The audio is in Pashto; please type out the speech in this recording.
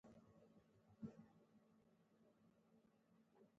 پوخ زړه سړي نه ماتېږي